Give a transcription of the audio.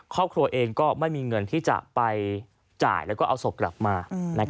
ครอบครัวเองก็ไม่มีเงินที่จะไปจ่ายแล้วก็เอาศพกลับมา